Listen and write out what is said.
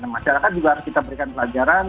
masyarakat juga harus kita berikan pelajaran